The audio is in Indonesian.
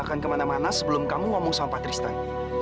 aku gak akan kemana mana sebelum kamu omong sama patristan